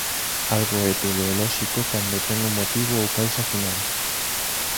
Algo é teleolóxico cando ten un motivo ou causa final.